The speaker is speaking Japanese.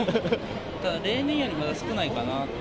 ただ、例年よりかは少ないかなって。